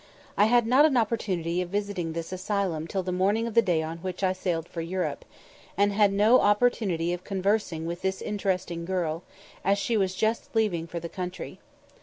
I had not an opportunity of visiting this asylum till the morning of the day on which I sailed for Europe, and had no opportunity of conversing with this interesting girl, as she was just leaving for the country.